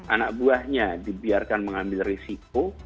anak buahnya dibiarkan mengambil risiko